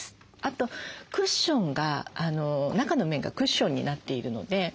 あとクッションが中の面がクッションになっているので。